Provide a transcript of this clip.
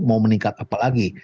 mau meningkat apa lagi